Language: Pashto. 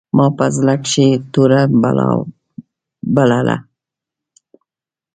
ما په زړه کښې توره بلا بلله.